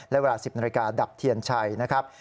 และเวลา๑๐นาฬิกาดับเทียนชัยนะครับ